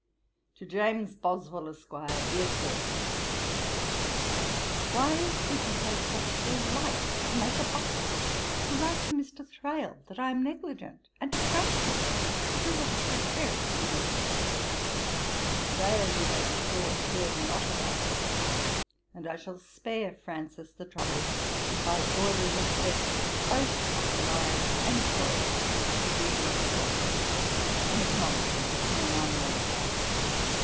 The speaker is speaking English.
'TO JAMES BOSWELL, ESQ. 'DEAR SIR, 'Why should you take such delight to make a bustle, to write to Mr. Thrale that I am negligent, and to Francis to do what is so very unnecessary. Thrale, you may be sure, cared not about it; and I shall spare Francis the trouble, by ordering a set both of the Lives and Poets to dear Mrs. Boswell, in acknowledgement of her marmalade.